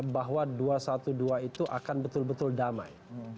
bahwa dua ratus dua belas itu akan betul betul damai